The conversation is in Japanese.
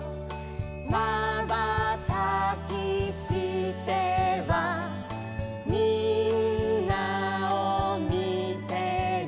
「まばたきしてはみんなをみてる」